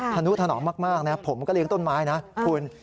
ธนุถนอมมากนะผมก็เลี้ยต้นไม้นะคุณ